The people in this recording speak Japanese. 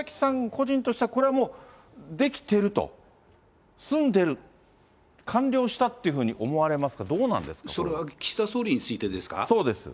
個人としては、これはもう、できていると、済んでる、完了したというふうに思われますか、それは岸田総理についてですそうです。